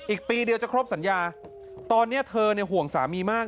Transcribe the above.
อีกปีเดียวจะครบสัญญาตอนนี้เธอห่วงสามีมาก